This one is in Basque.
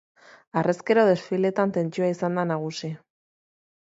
Harrezkero desfileetan tentsioa izan da nagusi.